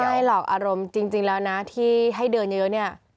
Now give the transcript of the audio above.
ใช่หรอกอารมณ์จริงแล้วนะที่ให้เดินเยอะเนี่ย